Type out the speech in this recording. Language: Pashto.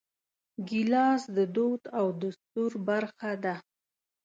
ګیلاس د دود او دستور برخه ده.